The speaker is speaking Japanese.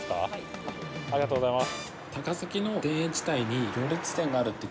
ありがとうございます。